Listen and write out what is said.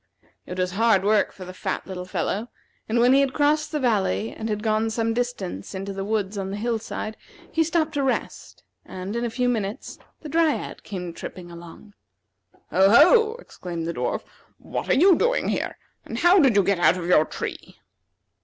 It was hard work for the fat little fellow, and when he had crossed the valley and had gone some distance into the woods on the hill side, he stopped to rest, and, in a few minutes, the Dryad came tripping along. "Ho, ho!" exclaimed the dwarf; "what are you doing here? and how did you get out of your tree?"